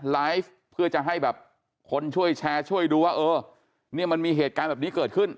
ไลฟ์เพื่อจะให้แบบคนช่วยแชร์ช่วยดูว่าเออเนี่ยมันมีเหตุการณ์แบบนี้เกิดขึ้น